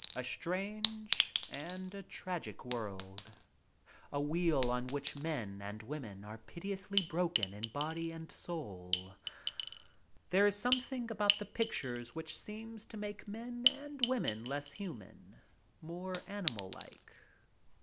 A strange and a tragic world — a wheel on which men and women are pitilessly broken in body and soul. There is something about the pictures which seems to make men and women less human, more animal like.